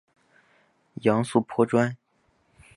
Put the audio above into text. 杨素颇专。